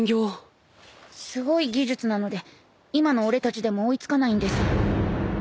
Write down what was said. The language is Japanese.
すごい技術なので今の俺たちでも追い付かないんです。